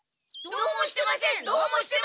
どうもしてません。